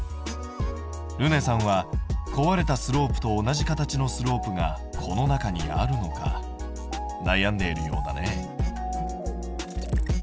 るねさんは壊れたスロープと同じ形のスロープがこの中にあるのか悩んでいるようだね。